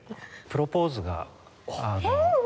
プロポーズがあの。